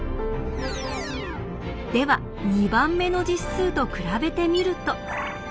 では２番目の実数と比べてみると。